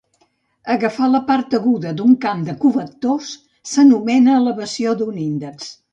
Agafar la part aguda d'un camp de covectors s'anomena "elevació d'un índex".